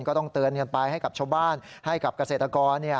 ก็ต้องเตือนกันไปให้กับชาวบ้านให้กับเกษตรกร